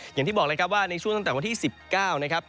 อย่างที่บอกเลยครับว่าในช่วงตั้งแต่วันที่๑๙นะครับ